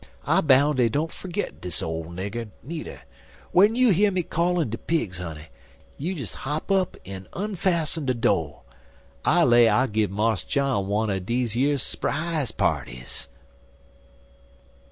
I bound' dey don't fergit de ole nigger, nudder. W'en you hear me callin' de pigs, honey, you des hop up en onfassen de do'. I lay I'll give Marse John one er dese yer 'sprize parties." *1 Patrols.